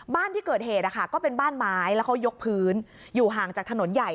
บ้านที่เกิดเหตุก็เป็นบ้านไม้แล้วเขายกพื้นอยู่ห่างจากถนนใหญ่